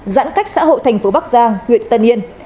giãn cách xã hội thành phố bắc giang huyện tân yên